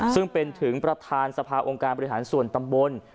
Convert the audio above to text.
ซึ่งเป็นถึงประธานสภาองค์การบริหารส่วนตำบล